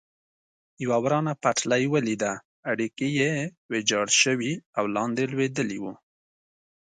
یوه ورانه پټلۍ ولیده، اړیکي یې ویجاړ شوي او لاندې لوېدلي و.